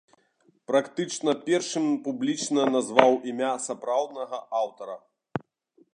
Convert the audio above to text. Практычна першым публічна назваў імя сапраўднага аўтара.